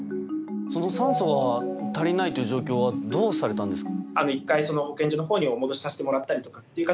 酸素が足りないという状況はどうされたんですか。